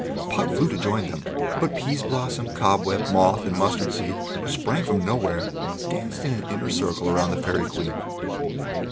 Puck flew to join them, but Peas blossom, Cobweb, Moth, and Mustard seed, who sprang from nowhere, danced in an inner circle round the Fairy Queen.